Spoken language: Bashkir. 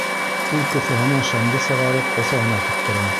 Ул кеҫәһенән шәмде сығарып әсәһенә тоттора.